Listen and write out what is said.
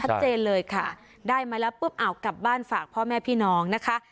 เลยค่ะได้มาแล้วปุ๊บเอากลับบ้านฝากพ่อแม่พี่น้องนะคะ